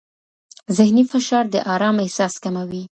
ذهني فشار د آرام احساس کموي.